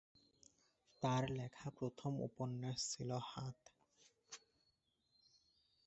তার লেখা প্রথম উপন্যাস ছিল 'হাত'।